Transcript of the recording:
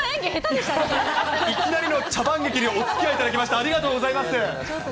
いきなりの茶番劇におつきあいいただきましてありがとうございます。